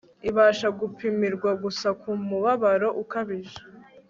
ibasha gupimirwa gusa ku mubabaro ukabije